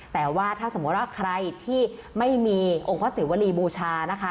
แต่ว่าถ้าสมมุติว่าใครที่ไม่มีองค์พระศิวรีบูชานะคะ